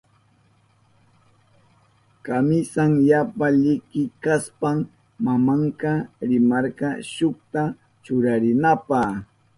Kamisan yapa liki kashpan mamanka rimarka shukta churarinanpa.